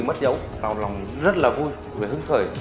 khi mất dấu lòng lòng rất là vui và hứng khởi